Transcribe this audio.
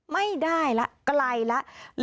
ไม่ได้แล้วไกลแล้ว